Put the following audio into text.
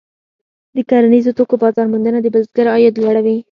د کرنیزو توکو بازار موندنه د بزګر عاید لوړوي.